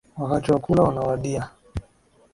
Wakati wa kula unawadia